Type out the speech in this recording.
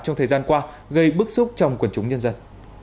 trong thời gian qua gây bức xúc trong quần chúng nhân dân